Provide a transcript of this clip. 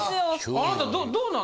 あなたどうなの？